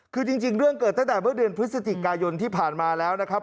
คือจริงเรื่องเกิดตั้งแต่เมื่อเดือนพฤศจิกายนที่ผ่านมาแล้วนะครับ